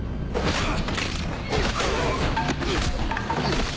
あっ。